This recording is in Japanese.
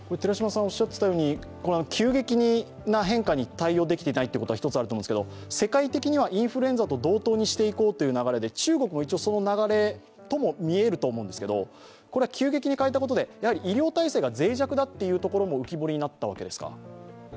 急激な変化に対応できていないというのは一つあるんでしょうけど世界的にはインフルエンザと同等にしていこうという流れで中国も一応その流れだと思うんですけど、急激に変えたことで医療体制が脆弱だというのも浮き彫りになったわけですか。